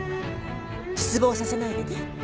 失望させないでね。